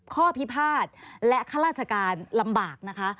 ข้อพิพาทและข้าราชการลำบากนะคะ